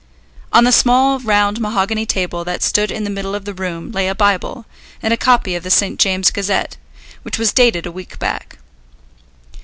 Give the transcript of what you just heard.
On the small round mahogany table that stood in the middle of the room lay a Bible, and a copy of the St. James's Gazette, which was dated a week back.